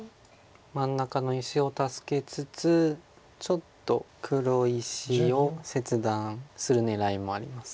真ん中の石を助けつつちょっと黒石を切断する狙いもあります。